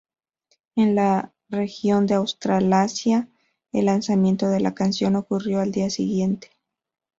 En la región de Australasia, el lanzamiento de la canción ocurrió al día siguiente.